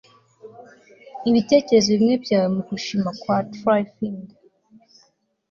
Ibitekerezo bimwe byawe mugushima kwa Tyrfing